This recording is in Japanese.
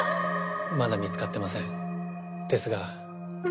まだ見つかってません。